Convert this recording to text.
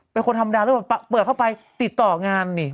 เป็นคนธรรมดาหรือเปล่าเปิดเข้าไปติดต่องานนี่